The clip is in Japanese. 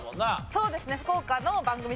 そうですね。